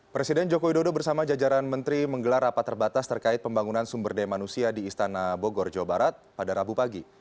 presiden joko widodo bersama jajaran menteri menggelar rapat terbatas terkait pembangunan sumber daya manusia di istana bogor jawa barat pada rabu pagi